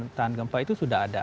dibangun tangan gempa itu sudah ada